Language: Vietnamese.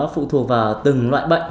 phụ thuộc vào từng loại bệnh